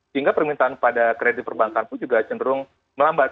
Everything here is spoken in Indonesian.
sehingga permintaan pada kredit perbankan pun juga cenderung melambat